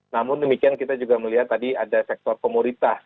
namun demikian kita juga melihat tadi ada sektor komoditas